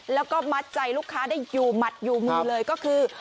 แล้วก็มัดใจลูกค้าได้อยู่หมัดอยู่มือเลยก็คือ